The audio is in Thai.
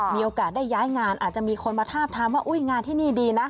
มีโอกาสได้ย้ายงานอาจจะมีคนมาทาบทามว่าอุ้ยงานที่นี่ดีนะ